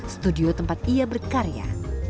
studio tempat ia berkarya